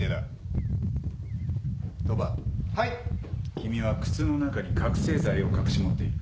君は靴の中に覚醒剤を隠し持っている。